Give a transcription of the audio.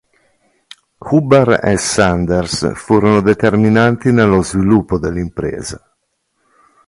Hubbard e Sanders furono determinanti nello sviluppo dell'impresa.